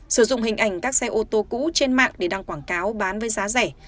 sử dụng hình ảnh các xe ô tô cũ trên mạng để đăng quảng cáo bán với giá rẻ